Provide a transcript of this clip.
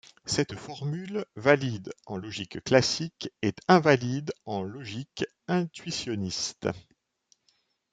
Cette formule, valide en logique classique, est invalide en logique intuitionniste.